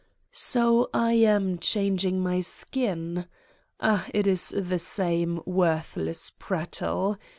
So, I am changing my skin? Ah, it is the same, worthless prattle!